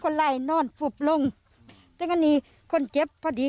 คุณผู้สายรุ่งมโสผีอายุ๔๒ปี